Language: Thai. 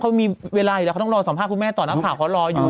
เขามีเวลาอยู่แล้วเขาต้องรอสัมภาษณ์คุณแม่ต่อนักข่าวเขารออยู่